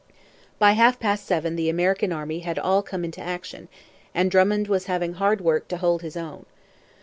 By half past seven the American army had all come into action, and Drummond was having hard work to hold his own.